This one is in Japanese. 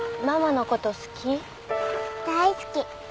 大好き！